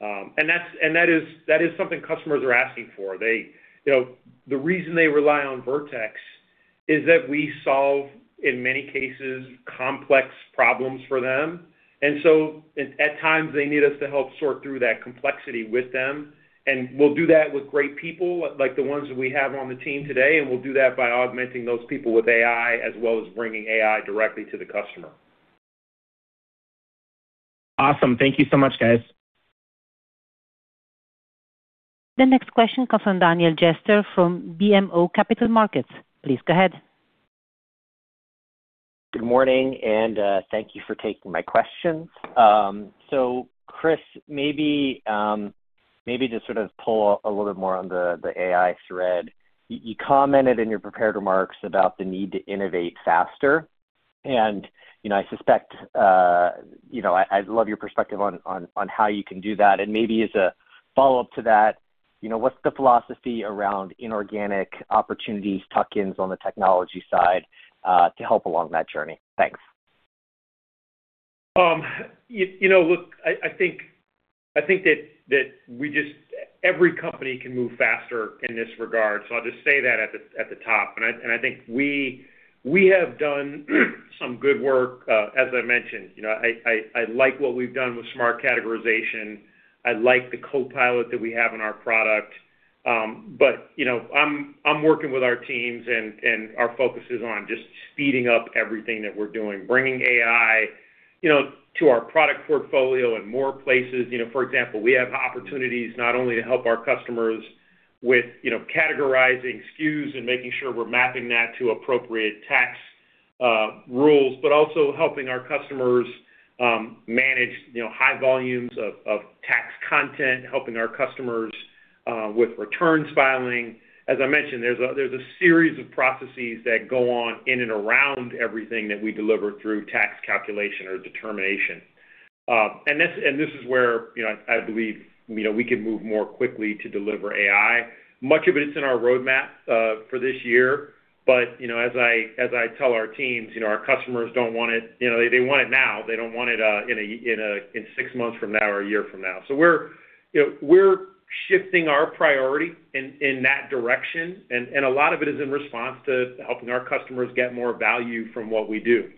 That is something customers are asking for. They, you know, the reason they rely on Vertex is that we solve in many cases complex problems for them. And so at times they need us to help sort through that complexity with them. And we'll do that with great people like the ones that we have on the team today. And we'll do that by augmenting those people with AI as well as bringing AI directly to the customer. Awesome. Thank you so much guys. The next question comes from Daniel Jester from BMO Capital Markets. Please go ahead. Good morning, and thank you for taking my questions. So, Chris, maybe to sort of pull a little bit more on the AI thread. You commented in your prepared remarks about the need to innovate faster. And you know, I suspect you know I love your perspective on how you can do that. And maybe as a follow-up to that, you know, what's the philosophy around inorganic opportunities tucked in on the technology side to help along that journey? Thanks. You know, look, I think that every company can move faster in this regard. So I'll just say that at the top. And I think we have done some good work as I mentioned. You know, I like what we've done with Smart Categorization. I like the Copilot that we have in our product. But you know, I'm working with our teams, and our focus is on just speeding up everything that we're doing. Bringing AI, you know, to our product portfolio in more places. You know, for example, we have opportunities not only to help our customers with, you know, categorizing SKUs and making sure we're mapping that to appropriate tax rules but also helping our customers manage, you know, high volumes of tax content. Helping our customers with returns filing. As I mentioned, there's a series of processes that go on in and around everything that we deliver through tax calculation or determination. And this is where, you know, I believe you know we can move more quickly to deliver AI. Much of it is in our roadmap for this year. But you know as I tell our teams, you know our customers don't want it you know they want it now. They don't want it in six months from now or a year from now. So we're you know we're shifting our priority in that direction. And a lot of it is in response to helping our customers get more value from what we do.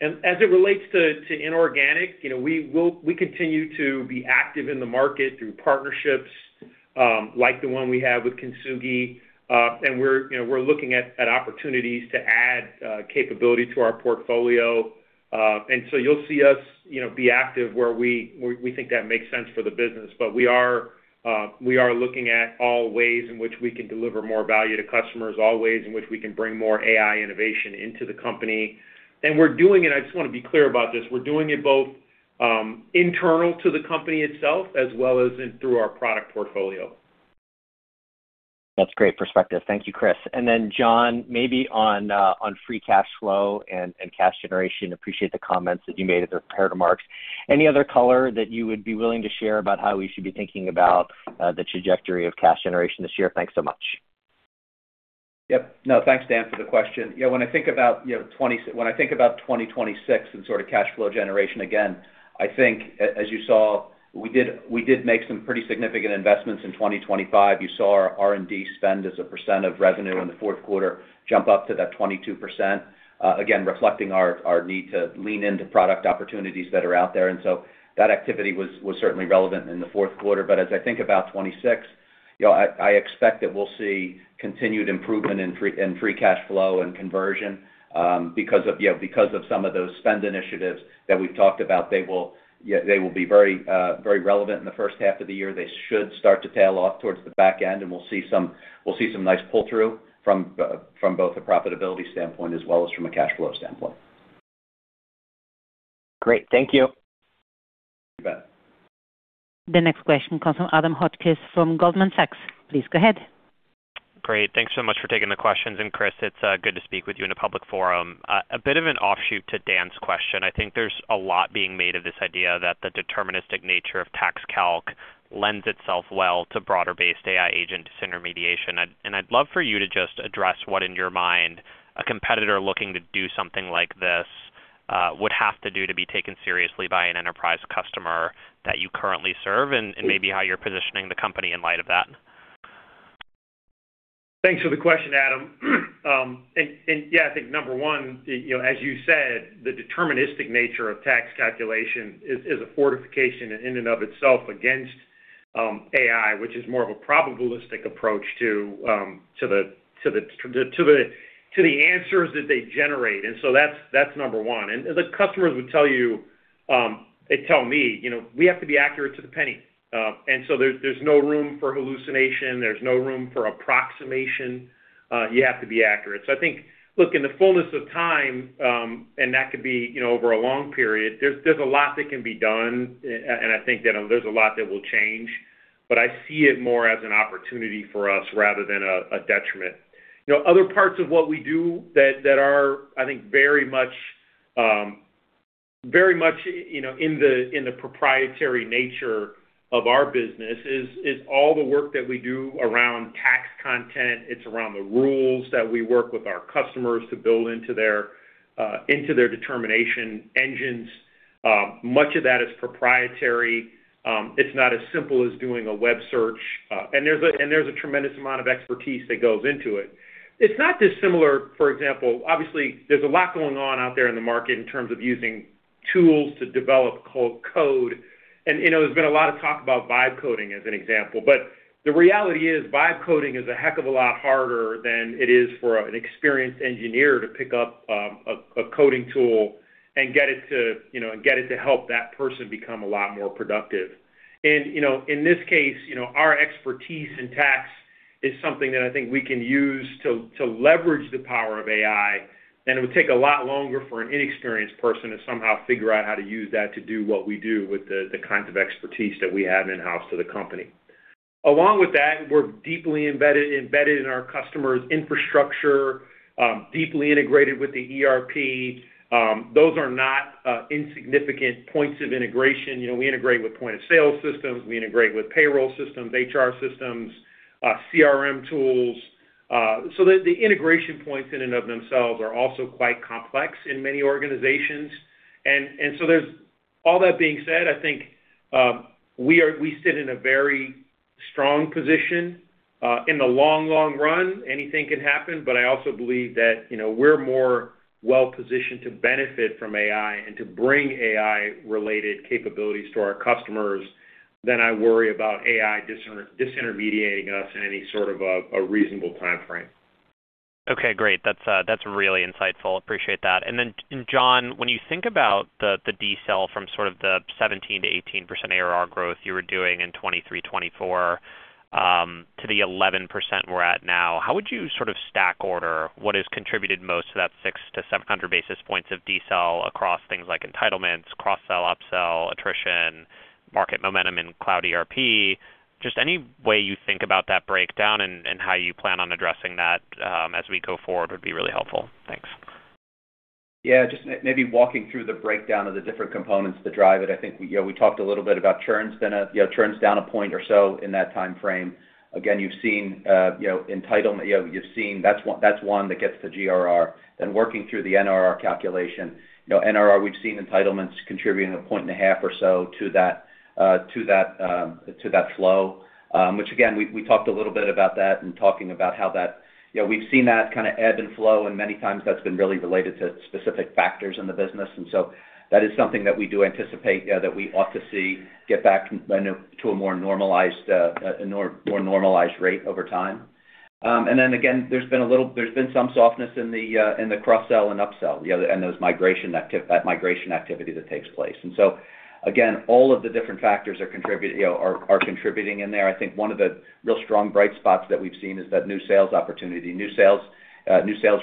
And as it relates to inorganic, you know, we'll continue to be active in the market through partnerships like the one we have with Kintsugi. And we're, you know, looking at opportunities to add capability to our portfolio. And so you'll see us, you know, be active where we think that makes sense for the business. But we are looking at all ways in which we can deliver more value to customers. All ways in which we can bring more AI innovation into the company. And we're doing it, and I just want to be clear about this. We're doing it both internal to the company itself as well as through our product portfolio. That's great perspective. Thank you Chris. And then John maybe on free cash flow and cash generation. Appreciate the comments that you made as a prepared remarks. Any other color that you would be willing to share about how we should be thinking about the trajectory of cash generation this year? Thanks so much. Yep. No thanks, Dan, for the question. Yeah, when I think about, you know, 2026 and sort of cash flow generation, again, I think, as you saw, we did make some pretty significant investments in 2025. You saw our R&D spend as a percent of revenue in the fourth quarter jump up to that 22%. Again, reflecting our need to lean into product opportunities that are out there. And so that activity was certainly relevant in the fourth quarter. But as I think about 2026, you know, I expect that we'll see continued improvement in free cash flow and conversion, because of, you know, because of some of those spend initiatives that we've talked about. They will, they will be very, very relevant in the first half of the year. They should start to tail off towards the back end and we'll see some nice pull-through from both a profitability standpoint as well as from a cash flow standpoint. Great. Thank you. You bet. The next question comes from Adam Hotchkiss from Goldman Sachs. Please go ahead. Great. Thanks so much for taking the questions. Chris, it's good to speak with you in a public forum. A bit of an offshoot to Dan's question. I think there's a lot being made of this idea that the deterministic nature of tax calc lends itself well to broader-based AI agent disintermediation. I'd love for you to just address what, in your mind, a competitor looking to do something like this would have to do to be taken seriously by an enterprise customer that you currently serve, and maybe how you're positioning the company in light of that. Thanks for the question, Adam. And yeah, I think number one, you know, as you said, the deterministic nature of tax calculation is a fortification in and of itself against AI, which is more of a probabilistic approach to the true answers that they generate. And so that's number one. And the customers would tell you—they'd tell me—you know, we have to be accurate to the penny. And so there's no room for hallucination. There's no room for approximation. You have to be accurate. So I think, look, in the fullness of time, and that could be, you know, over a long period, there's a lot that can be done. And I think that there's a lot that will change. But I see it more as an opportunity for us rather than a detriment. You know other parts of what we do that are I think very much you know in the proprietary nature of our business is all the work that we do around tax content. It's around the rules that we work with our customers to build into their determination engines. Much of that is proprietary. It's not as simple as doing a web search. And there's a tremendous amount of expertise that goes into it. It's not dissimilar for example obviously there's a lot going on out there in the market in terms of using tools to develop code. And you know there's been a lot of talk about vibe coding as an example. But the reality is vibe coding is a heck of a lot harder than it is for an experienced engineer to pick up a coding tool and get it to you know and get it to help that person become a lot more productive. And you know in this case you know our expertise in tax is something that I think we can use to leverage the power of AI. And it would take a lot longer for an inexperienced person to somehow figure out how to use that to do what we do with the kinds of expertise that we have in-house to the company. Along with that we're deeply embedded in our customers' infrastructure deeply integrated with the ERP. Those are not insignificant points of integration. You know we integrate with point of sale systems. We integrate with payroll systems, HR systems, CRM tools. So the integration points in and of themselves are also quite complex in many organizations. And so there's all that being said, I think we sit in a very strong position in the long run. Anything can happen. But I also believe that, you know, we're more well-positioned to benefit from AI and to bring AI-related capabilities to our customers than I worry about AI disintermediating us in any sort of a reasonable time frame. Okay great. That's that's really insightful. Appreciate that. And then and John when you think about the the decel from sort of the 17%-18% ARR growth you were doing in 2023-2024 to the 11% we're at now how would you sort of stack order what has contributed most to that 600-700 basis points of decel across things like entitlements cross-sell up-sell attrition market momentum in cloud ERP? Just any way you think about that breakdown and and how you plan on addressing that as we go forward would be really helpful. Thanks. Yeah, just maybe walking through the breakdown of the different components that drive it. I think we, you know, we talked a little bit about churn's been a, you know, churn's down a point or so in that time frame. Again, you've seen, you know, entitlement, you know, you've seen that's one that's one that gets to GRR. Then working through the NRR calculation. You know, NRR we've seen entitlements contributing a point and a half or so to that to that to that flow, which again we, we talked a little bit about that and talking about how that, you know, we've seen that kinda ebb and flow. And many times that's been really related to specific factors in the business. And so that is something that we do anticipate, you know, that we ought to see get back to a more normalized rate over time. And then again, there's been a little softness in the cross-sell and up-sell. You know, the migration activity that takes place. And so again, all of the different factors are contributing in there, you know. I think one of the real strong bright spots that we've seen is the new sales opportunity. New sales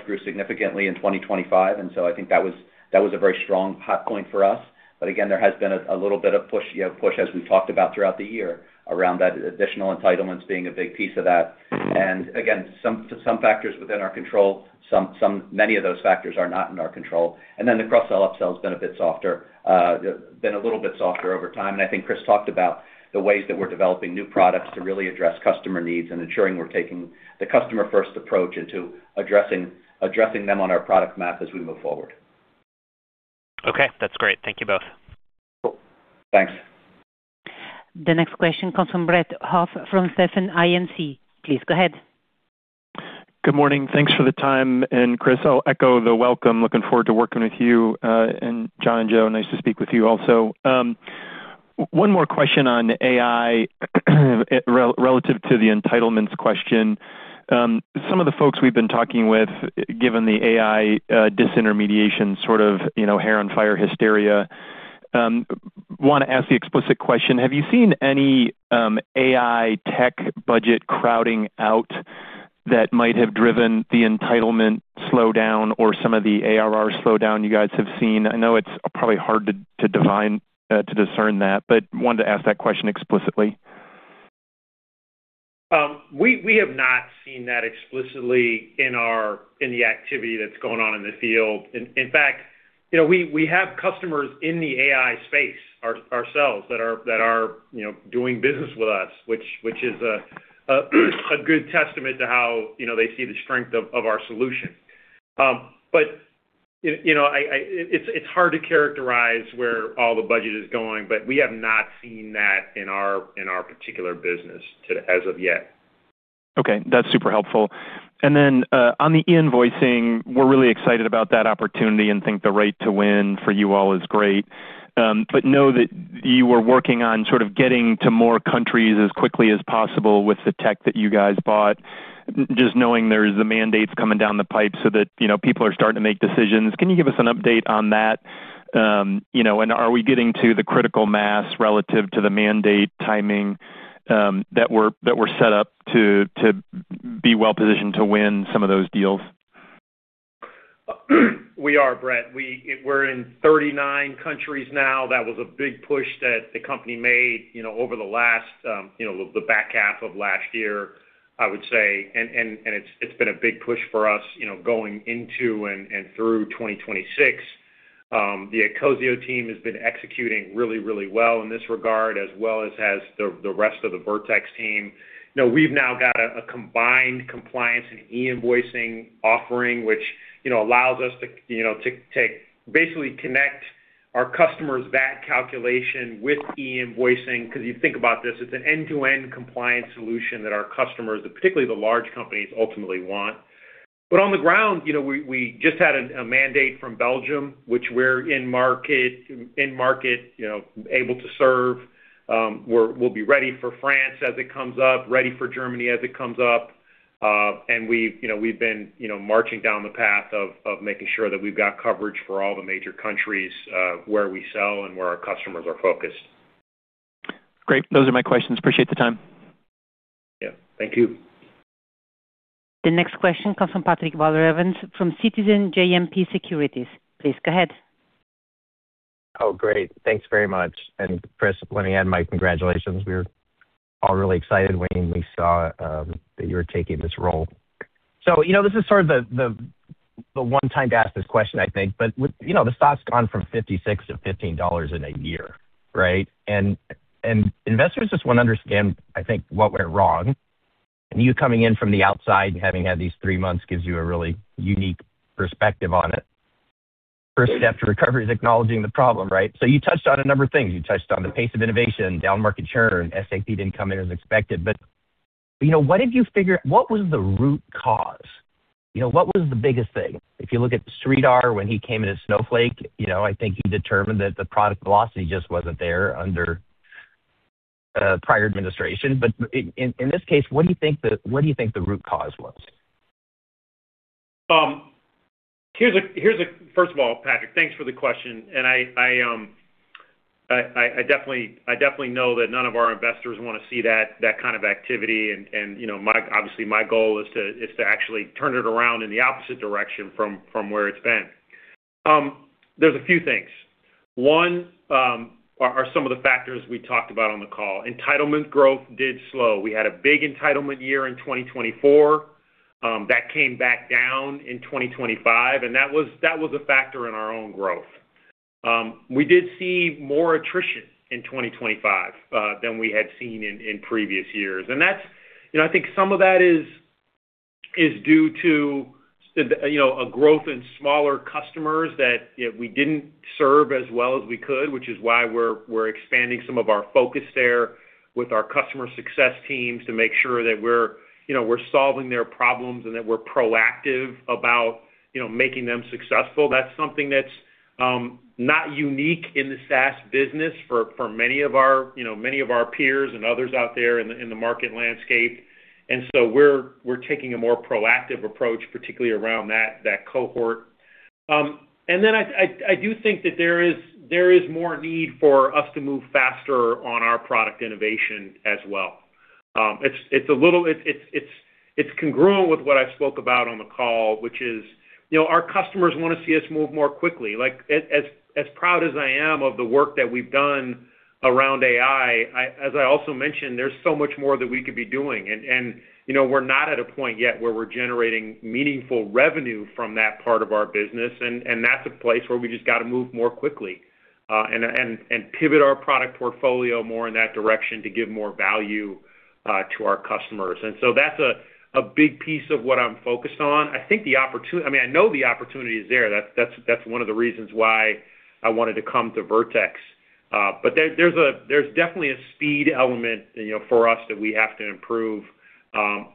grew significantly in 2025. And so I think that was a very strong hot spot for us. But again there has been a little bit of push you know as we've talked about throughout the year around that additional entitlements being a big piece of that. And again some factors within our control. Some many of those factors are not in our control. And then the cross-sell upsell's been a bit softer, you know been a little bit softer over time. And I think Chris talked about the ways that we're developing new products to really address customer needs and ensuring we're taking the customer-first approach into addressing them on our product map as we move forward. Okay that's great. Thank you both. Cool. Thanks. The next question comes from Brett Huff from Stephens Inc. Please go ahead. Good morning. Thanks for the time. Chris, I'll echo the welcome. Looking forward to working with you and John and Joe. Nice to speak with you also. One more question on AI relative to the entitlements question. Some of the folks we've been talking with, given the AI disintermediation sort of, you know, hair-on-fire hysteria, wanna ask the explicit question. Have you seen any AI tech budget crowding out that might have driven the entitlement slowdown or some of the ARR slowdown you guys have seen? I know it's probably hard to define to discern that, but wanted to ask that question explicitly. We have not seen that explicitly in the activity that's going on in the field. In fact, you know, we have customers in the AI space, ourselves, that are you know doing business with us, which is a good testament to how you know they see the strength of our solution. But you know, it's hard to characterize where all the budget is going. But we have not seen that in our particular business to date as of yet. Okay, that's super helpful. And then on the invoicing, we're really excited about that opportunity and think the right to win for you all is great. But know that you were working on sort of getting to more countries as quickly as possible with the tech that you guys bought. And just knowing there's the mandates coming down the pipe so that you know people are starting to make decisions. Can you give us an update on that, you know, and are we getting to the critical mass relative to the mandate timing that we're set up to be well-positioned to win some of those deals? We are, Brett. We, we're in 39 countries now. That was a big push that the company made, you know, over the last, the back half of last year, I would say. And it's been a big push for us, you know, going into and through 2026. The Ecosio team has been executing really really well in this regard as well as has the rest of the Vertex team. You know, we've now got a combined compliance and e-invoicing offering, which you know allows us to you know to take basically connect our customers' VAT calculation with e-invoicing. 'Cause you think about this, it's an end-to-end compliance solution that our customers, the particularly the large companies, ultimately want. But on the ground, you know, we just had a mandate from Belgium, which we're in market, you know, able to serve. We'll be ready for France as it comes up, ready for Germany as it comes up. And we've, you know, been, you know, marching down the path of making sure that we've got coverage for all the major countries where we sell and where our customers are focused. Great. Those are my questions. Appreciate the time. Yeah. Thank you. The next question comes from Patrick Walravens from Citizens JMP. Please go ahead. Oh great. Thanks very much. And Chris, let me add my congratulations. We were all really excited when we saw that you were taking this role. So you know this is sort of the one time to ask this question I think. But with you know the stock's gone from $56-$15 in a year. Right? And investors just wanna understand I think what went wrong. And you coming in from the outside and having had these three months gives you a really unique perspective on it. First step to recovery's acknowledging the problem right? So you touched on a number of things. You touched on the pace of innovation, down market churn, SAP didn't come in as expected. But you know what did you figure what was the root cause? You know what was the biggest thing? If you look at Sridhar when he came into Snowflake, you know I think he determined that the product velocity just wasn't there under prior administration. But in this case what do you think the root cause was? Here's, first of all, Patrick, thanks for the question. And I definitely know that none of our investors wanna see that kind of activity. And you know, obviously my goal is to actually turn it around in the opposite direction from where it's been. There's a few things. One are some of the factors we talked about on the call. Entitlement growth did slow. We had a big entitlement year in 2024. That came back down in 2025. And that was a factor in our own growth. We did see more attrition in 2025 than we had seen in previous years. And that's, you know, I think some of that is due to the, you know, a growth in smaller customers that you know we didn't serve as well as we could, which is why we're expanding some of our focus there with our customer success teams to make sure that we're, you know, we're solving their problems and that we're proactive about, you know, making them successful. That's something that's not unique in the SaaS business for many of our, you know, many of our peers and others out there in the market landscape. And so we're taking a more proactive approach particularly around that cohort. And then I do think that there is more need for us to move faster on our product innovation as well. It's a little congruent with what I spoke about on the call, which is, you know, our customers wanna see us move more quickly. Like, as proud as I am of the work that we've done around AI, as I also mentioned, there's so much more that we could be doing. And you know, we're not at a point yet where we're generating meaningful revenue from that part of our business. And that's a place where we just gotta move more quickly and pivot our product portfolio more in that direction to give more value to our customers. And so that's a big piece of what I'm focused on. I think the opportunity—I mean, I know the opportunity is there. That's one of the reasons why I wanted to come to Vertex. But there's definitely a speed element, you know, for us that we have to improve.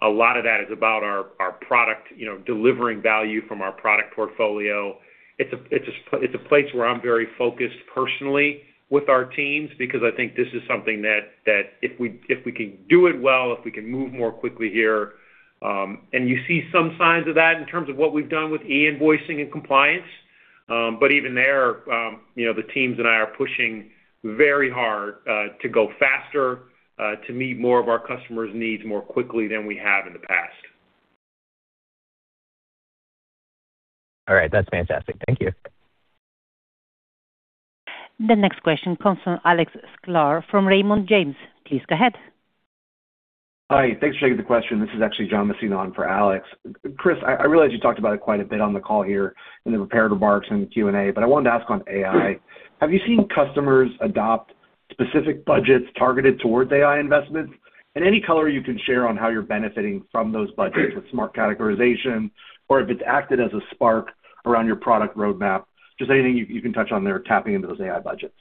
A lot of that is about our product, you know, delivering value from our product portfolio. It's a SAP it's a place where I'm very focused personally with our teams because I think this is something that if we can do it well, if we can move more quickly here. And you see some signs of that in terms of what we've done with e-invoicing and compliance. But even there, you know, the teams and I are pushing very hard to go faster to meet more of our customers' needs more quickly than we have in the past. All right. That's fantastic. Thank you. The next question comes from Alex Sklar from Raymond James. Please go ahead. Hi, thanks for taking the question. This is actually John Masin for Alex. Chris, I realize you talked about it quite a bit on the call here in the prepared remarks and Q&A. But I wanted to ask on AI. Have you seen customers adopt specific budgets targeted towards AI investments? And any color you can share on how you're benefiting from those budgets with smart categorization or if it's acted as a spark around your product roadmap. Just anything you can touch on there tapping into those AI budgets.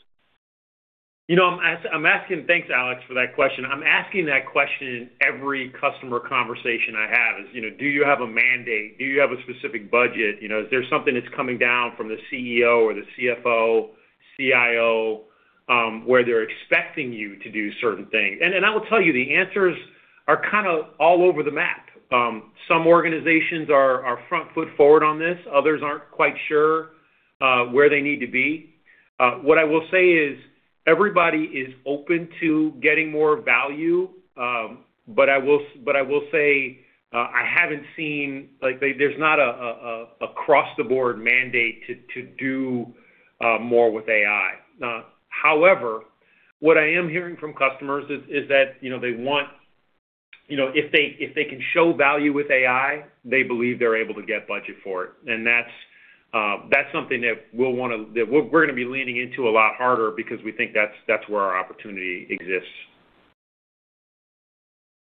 You know, I'm asking—thanks, Alex, for that question. I'm asking that question in every customer conversation I have: you know, do you have a mandate? Do you have a specific budget? You know, is there something that's coming down from the CEO or the CFO, CIO where they're expecting you to do certain things? And I will tell you, the answers are kinda all over the map. Some organizations are front foot forward on this. Others aren't quite sure where they need to be. What I will say is everybody is open to getting more value. But I will say I haven't seen like there's not a cross-the-board mandate to do more with AI. However, what I am hearing from customers is that, you know, they want, you know, if they can show value with AI, they believe they're able to get budget for it. And that's something that we're gonna be leaning into a lot harder because we think that's where our opportunity exists.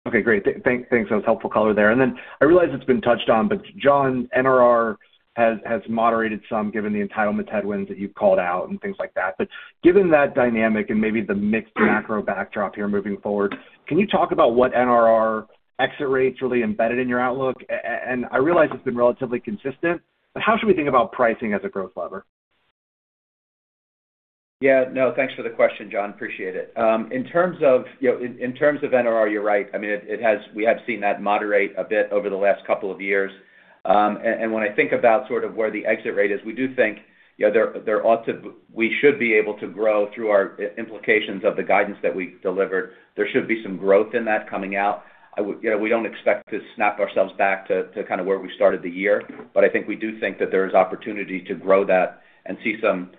Okay, great. Thanks, thanks. That was helpful color there. And then I realize it's been touched on, but John, NRR has moderated some given the entitlement headwinds that you've called out and things like that. But given that dynamic and maybe the mixed macro backdrop here moving forward, can you talk about what NRR exit rate's really embedded in your outlook? And I realize it's been relatively consistent. But how should we think about pricing as a growth lever? Yeah, no, thanks for the question, John. Appreciate it. In terms of, you know, in terms of NRR, you're right. I mean, it has, we have seen that moderate a bit over the last couple of years. And when I think about sort of where the exit rate is, we do think, you know, there ought to be, we should be able to grow through our implications of the guidance that we've delivered. There should be some growth in that coming out. I would, you know, we don't expect to snap ourselves back to kinda where we started the year. But I think we do think that there is opportunity to grow that and see some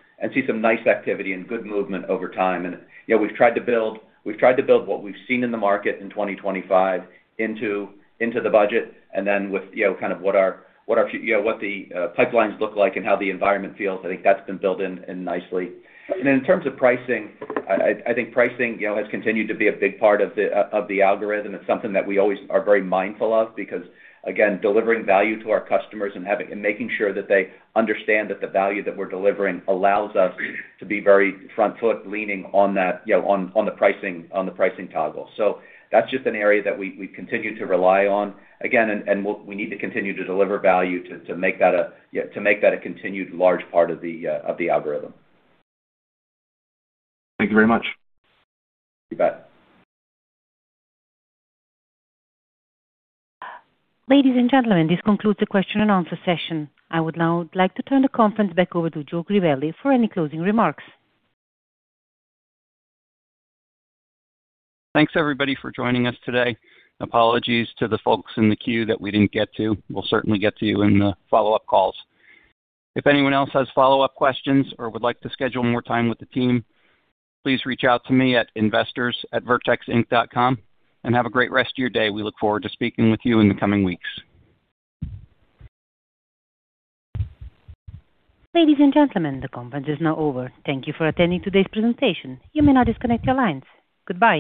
nice activity and good movement over time. And you know we've tried to build what we've seen in the market in 2025 into the budget. And then with you know kind of what our FY you know what the pipelines look like and how the environment feels I think that's been built in nicely. And then in terms of pricing I think pricing you know has continued to be a big part of the algorithm. It's something that we always are very mindful of because again delivering value to our customers and having and making sure that they understand that the value that we're delivering allows us to be very front foot leaning on that you know on the pricing toggle. So that's just an area that we continue to rely on again. We'll need to continue to deliver value to make that a continued large part of the algorithm. Thank you very much. You bet. Ladies and gentlemen, this concludes the question and answer session. I would now like to turn the conference back over to Joe Crivelli for any closing remarks. Thanks everybody for joining us today. Apologies to the folks in the queue that we didn't get to. We'll certainly get to you in the follow-up calls. If anyone else has follow-up questions or would like to schedule more time with the team, please reach out to me at investors@vertexinc.com. Have a great rest of your day. We look forward to speaking with you in the coming weeks. Ladies and gentlemen, the conference is now over. Thank you for attending today's presentation. You may now disconnect your lines. Goodbye.